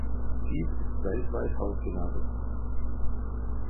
Dies ist weltweit ausgelagert.